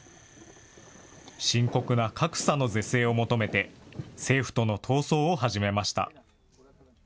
深刻な格差の是正を求めて、政府との闘争を始めました。